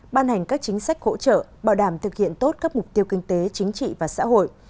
ban hành các chính sách hỗ trợ bảo đảm thực hiện tốt các mục tiêu kinh tế chính trị và xã hội